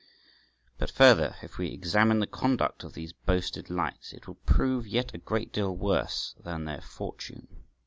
But further, if we examine the conduct of these boasted lights, it will prove yet a great deal worse than their fortune.